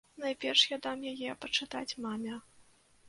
Найперш я дам яе пачытаць маме.